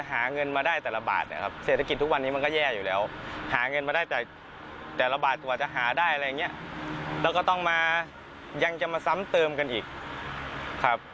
ถามดูได้นะครับรถ๓๐รถพี่น้องรถบัตรที่เข้าไปจอดโดนทุกคันครับ